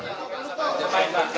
pertama saya tadi mengecek